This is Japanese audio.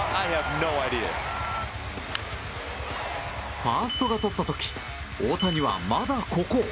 ファーストがとった時大谷は、まだここ。